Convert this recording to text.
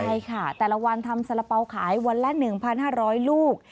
ใช่ค่ะแต่ละวันทำสาระเป๋าขายวันละ๑๕๐๐ลูก